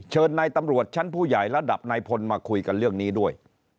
เชิญนายตำรวจชั้นผู้ใหญ่ระดับนายพลมาคุยกันเรื่องนี้ด้วย